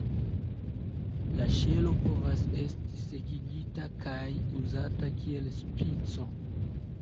La ŝelo povas esti sekigita kaj uzata kiel spico.